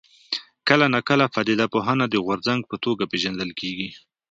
کله ناکله پدیده پوهنه د غورځنګ په توګه پېژندل کېږي.